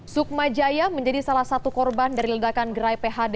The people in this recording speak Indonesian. sukma jaya menjadi salah satu korban dari ledakan gerai phd